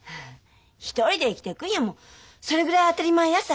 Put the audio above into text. １人で生きていくんやもそれぐらい当たり前やさ。